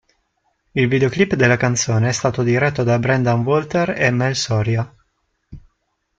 Il videoclip della canzone è stato diretto da Brendan Walter e Mel Soria.